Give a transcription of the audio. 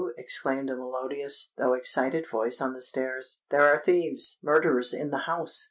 exclaimed a melodious, though excited voice on the stairs; "there are thieves—murderers in the house!"